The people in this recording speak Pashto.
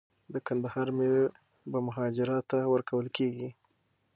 د کندهار میوې به مهاراجا ته ورکول کیږي.